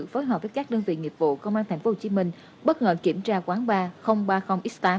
phối hợp với các đơn vị nghiệp vụ công an tp hồ chí minh bất ngờ kiểm tra quán bar ba mươi x tám